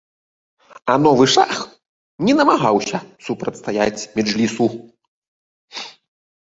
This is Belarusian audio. Новы шах не намагаўся супрацьстаяць меджлісу.